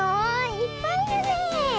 いっぱいいるねえ。